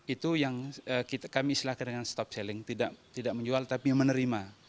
itu yang kami istilahkan dengan stop selling tidak menjual tapi menerima